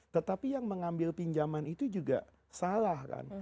tetapi yang mengambil pinjaman itu juga salah kan